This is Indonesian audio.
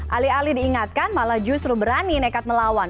alih alih diingatkan malah justru berani nekat melawan